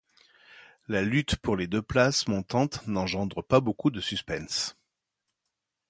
La lutte pour les deux places montantes n'engendre pas beaucoup de suspense.